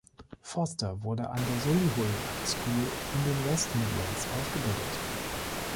Foster wurde an der Solihull School in den West Midlands ausgebildet.